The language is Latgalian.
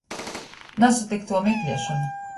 Nasatyktuo mekliešona.